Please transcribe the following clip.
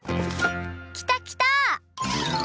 きたきた！